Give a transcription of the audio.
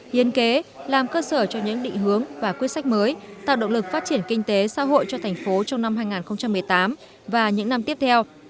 hiến kế làm cơ sở cho những định hướng và quyết sách mới tạo động lực phát triển kinh tế xã hội cho thành phố trong năm hai nghìn một mươi tám và những năm tiếp theo